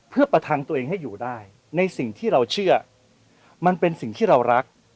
เพื่อประทังตัวเองให้อยู่ได้ในสิ่งที่เราเชื่อมันเป็นสิ่งที่เรารัก